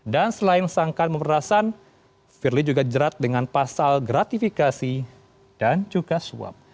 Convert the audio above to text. dan selain sangkan memerasan firly juga jerat dengan pasal gratifikasi dan juga suap